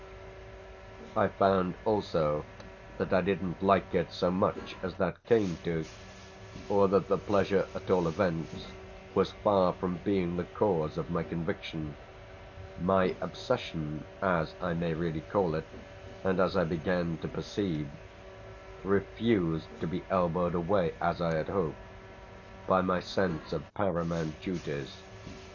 I found also that I didn't like it so much as that came to, or that the pleasure at all events was far from being the cause of my conviction. My obsession, as I may really call it and as I began to perceive, refused to be elbowed away, as I had hoped, by my sense of paramount duties.